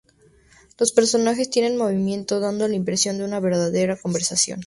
Los personajes tienen movimiento, dando la impresión de una verdadera conversación.